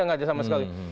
nggak ada sama sekali